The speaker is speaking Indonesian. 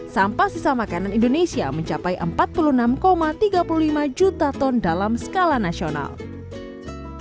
sampah sisa makanan indonesia mencapai empat puluh enam tiga puluh lima juta ton dalam skala nasional